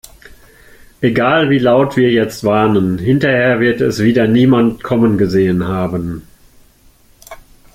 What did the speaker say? Egal wie laut wir jetzt warnen, hinterher wird es wieder niemand kommen gesehen haben.